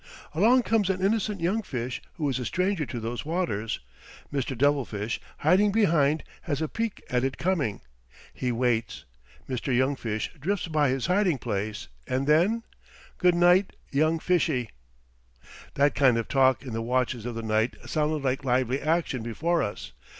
Along comes an innocent young fish who is a stranger to those waters. Mr. Devilfish, hiding behind, has a peek at it coming. He waits. Mr. Young Fish drifts by his hiding place, and then Good night, young fishie." That kind of talk in the watches of the night sounded like lively action before us.